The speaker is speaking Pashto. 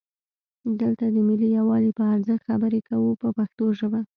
دلته د ملي یووالي په ارزښت خبرې کوو په پښتو ژبه.